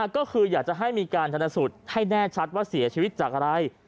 ก็คืออยากจะให้มีการชนสูตรให้แน่ชัดว่าเสียชีวิตจากอะไร